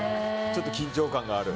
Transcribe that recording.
ちょっと緊張感がある。